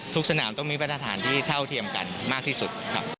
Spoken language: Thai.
ทุกสถานที่เท่าเทียมกันมากที่สุด